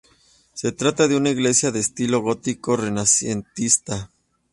Se trata de una iglesia de estilo gótico-renacentista.